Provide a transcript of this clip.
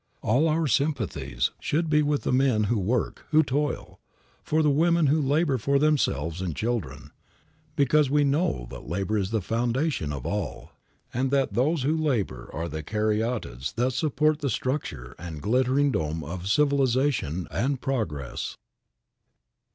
All our sympathies should be with the men who work, who toil; for the women who labor for themselves and children; because we know that labor is the foundation of all, and that those who labor are the Caryatides that support the structure and glittering dome of civilization and progress.